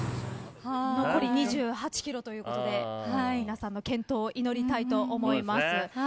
残り２８ｋｍということで皆さんの健闘を祈りたいと思います。